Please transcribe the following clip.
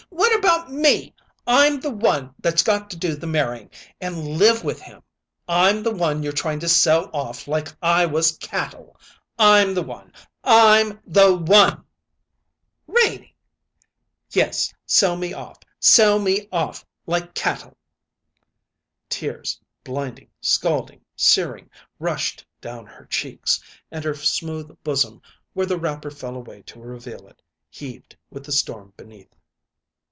What about me? I'm the one that's got to do the marrying and live with him. I'm the one you're trying to sell off like I was cattle. I'm the one! I'm the one!" "Renie!" "Yes; sell me off sell me off like cattle!" Tears, blinding, scalding, searing, rushed down her cheeks, and her smooth bosom, where the wrapper fell away to reveal it, heaved with the storm beneath.